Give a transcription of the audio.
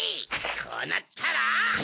こうなったら。